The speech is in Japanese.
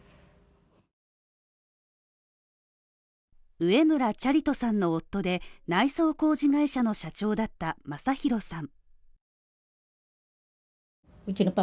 上邨チャリトさんの夫で内装工事会社の社長だった昌弘さん。